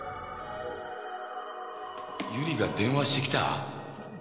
由理が電話してきた？